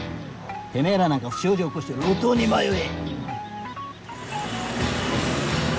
てめぇらなんか不祥事起こして路頭に迷え！